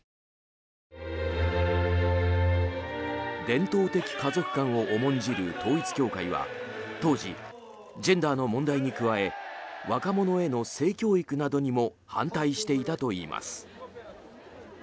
伝統的家族観を重んじる統一教会は当時、ジェンダーの問題に加え若者への性教育などにも反対していたといいます。